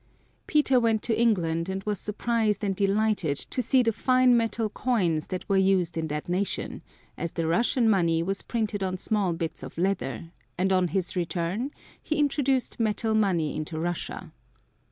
Peter went to England and was surprised and delighted to see the fine metal coins that were used in that nation, as the Russian money was printed on small bits of leather, and on his return he introduced metal money into Russia.